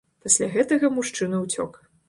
Пасля гэтага мужчына ўцёк.